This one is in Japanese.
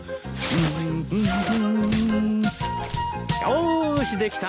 よしできた！